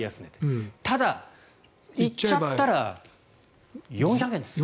ただ、行っちゃったら４００円です。